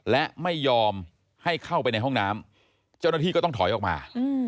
และไม่ยอมให้เข้าไปในห้องน้ำเจ้าหน้าที่ก็ต้องถอยออกมา